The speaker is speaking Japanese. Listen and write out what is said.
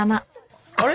あれ？